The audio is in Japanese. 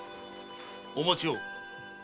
お待ちを！